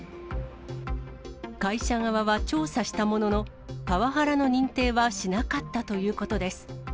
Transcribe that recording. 会社側は調査したものの、パワハラの認定はしなかったということです。